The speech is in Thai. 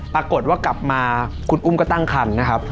ปรากฏว่ากลับมาคุณอุ้มก็ตั้งคันนะครับ